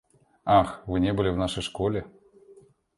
Ах, вы не были в нашей школе?